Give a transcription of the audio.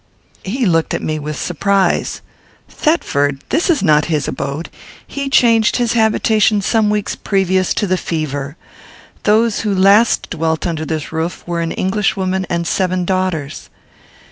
He looked at me with surprise. "Thetford! this is not his abode. He changed his habitation some weeks previous to the fever. Those who last dwelt under this roof were an Englishwoman and seven daughters."